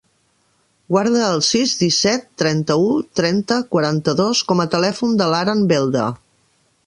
Guarda el sis, disset, trenta-u, trenta, quaranta-dos com a telèfon de l'Aran Belda.